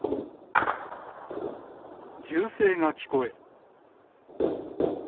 銃声が聞こえ。